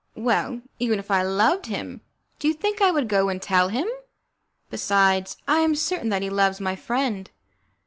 "Well, even if I loved him, do you think I would go and tell him? Besides, I am certain that he loves my friend."